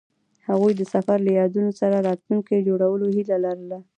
هغوی د سفر له یادونو سره راتلونکی جوړولو هیله لرله.